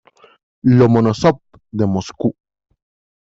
Lomonósov de Moscú.